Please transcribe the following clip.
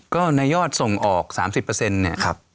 ก็ในยอดส่งออก๓๐เนี่ยครับ